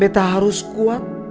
beta harus kuat